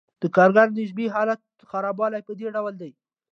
د کارګر د نسبي حالت خرابوالی په دې ډول دی